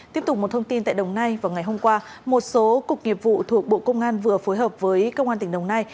tiếp tục một thông tin tại đồng nai vào ngày hôm qua một số cục nghiệp vụ thuộc bộ công an vừa phối hợp với công an tỉnh đồng nai